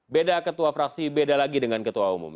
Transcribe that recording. beda ketua fraksi beda lagi dengan ketua umum